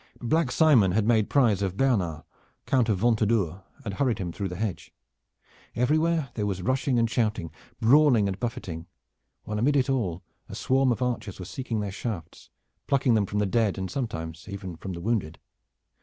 Black Simon had made prize of Bernard, Count of Ventadour, and hurried him through the hedge. Everywhere there was rushing and shouting, brawling and buffeting, while amidst it all a swarm of archers were seeking their shafts, plucking them from the dead, and sometimes even from the wounded.